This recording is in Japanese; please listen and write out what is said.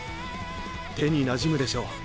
手になじむでしょう？